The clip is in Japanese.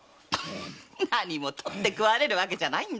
何も取って食われるわけじゃないんだから！